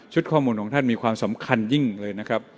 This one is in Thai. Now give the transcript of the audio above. ข้อมูลของท่านมีความสำคัญยิ่งเลยนะครับ